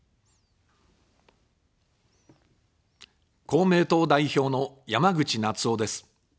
公明党代表の山口那津男です。